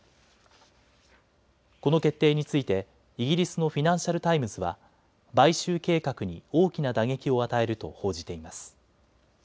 この決定についてイギリスのフィナンシャル・タイムズは買収計画に大きな打撃を与えると報じています。